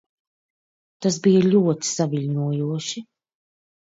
Tas bija ļoti saviļņojoši.